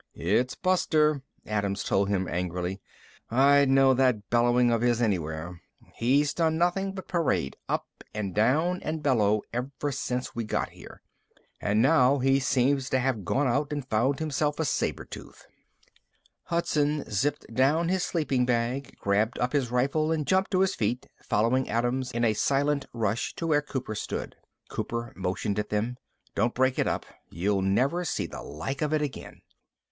"It's Buster," Adams told him angrily. "I'd know that bellowing of his anywhere. He's done nothing but parade up and down and bellow ever since we got here. And now he seems to have gone out and found himself a saber tooth." Hudson zipped down his sleeping bag, grabbed up his rifle and jumped to his feet, following Adams in a silent rush to where Cooper stood. Cooper motioned at them. "Don't break it up. You'll never see the like of it again."